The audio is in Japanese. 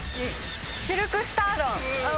シルク・スターロン。